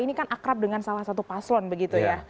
ini kan akrab dengan salah satu paslon begitu ya